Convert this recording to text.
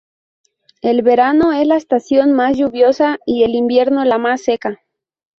El verano es la estación más lluviosa y el invierno la más seca.